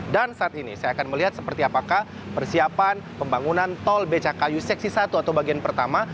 dan saat ini saya akan melihat seperti apakah persiapan pembangunan tol becakayu seksi satu atau bagian pertama